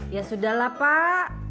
ya sudah lah pak